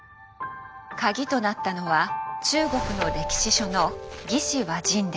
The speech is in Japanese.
鍵となったのは中国の歴史書の「魏志倭人伝」。